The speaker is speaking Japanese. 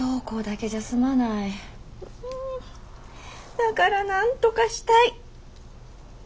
だからなんとかしたい。